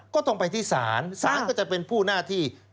ก็ต้องไปที่ศาลศาลก็จะเป็นผู้หน้าที่